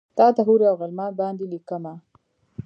تاته حورې اوغلمان باندې لیکمه